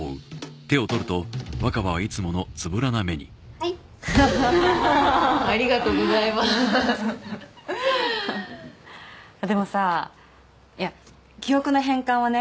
はいははははっありがとうございますでもさいや記憶の変換はね